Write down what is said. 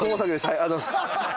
ありがとうございます。